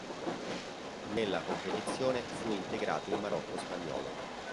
Nella competizione fu integrato il Marocco spagnolo.